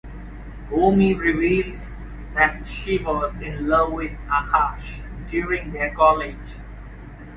Bhoomi reveals that she was in love with Aakash during their college.